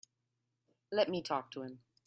Let me talk to him.